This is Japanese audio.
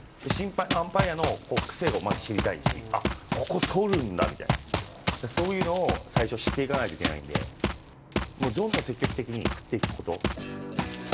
審判の癖も知りたいしここ取るんだみたいな、そういうのを最初知っていかないといけないのでどんどん積極的に振っていくこと。